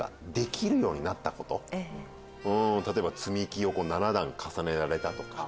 例えば「積み木を７段重ねられた」とか。